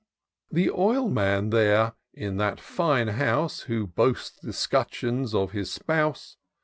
"The OUman there, in that fine house, Who boasts th' escutcheons of his spouse.